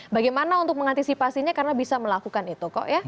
bagaimana untuk mengantisipasinya karena bisa melakukan itu kok ya